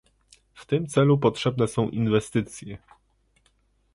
W tym celu potrzebne są inwestycje